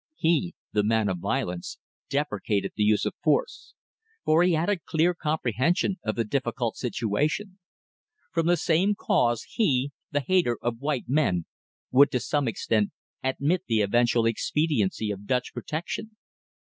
He the man of violence deprecated the use of force, for he had a clear comprehension of the difficult situation. From the same cause, he the hater of white men would to some extent admit the eventual expediency of Dutch protection.